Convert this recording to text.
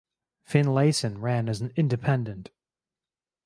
Finlayson ran as an independent.